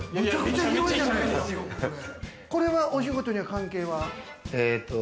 これはお仕事には関係は？